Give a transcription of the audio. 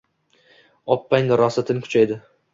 oppang rosatn kuchaydi.